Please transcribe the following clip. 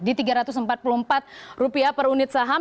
di rp tiga ratus empat puluh empat per unit saham